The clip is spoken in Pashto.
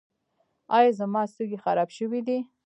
ایا زما سږي خراب شوي دي؟